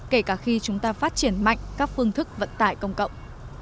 kể cả khi chúng ta phát triển mạnh các phương thức vận tải công cộng